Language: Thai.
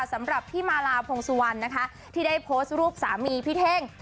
สำหรับพี่มาลาพงสุวรรณนะคะที่ได้โพสต์รูปสามีพี่เท่ง